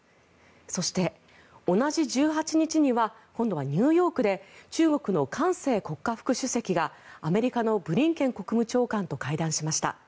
そして、同じ１８日には今度はニューヨークで中国のカン・セイ国家副主席がアメリカのブリンケン国務長官と会談しました。